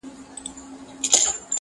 هر څوک بايد تيرايستونکي تنبيه کړي.